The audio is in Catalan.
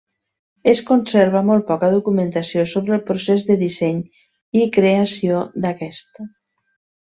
Es conserva molt poca documentació sobre el procés de disseny i creació d'aquest.